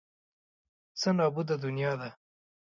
څه نابوده دنیا ده.